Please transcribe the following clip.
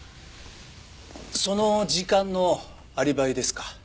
その時間のアリバイですか？